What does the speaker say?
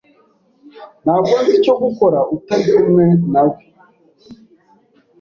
Ntabwo nzi icyo gukora utari kumwe nawe.